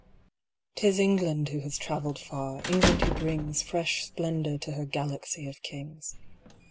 'T is England who has travelled far, England who bringsFresh splendor to her galaxy of Kings.